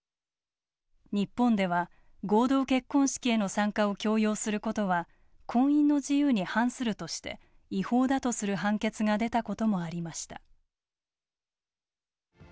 日本では合同結婚式への参加を強要することは婚姻の自由に反するとして違法だとする判決が出たこともありました。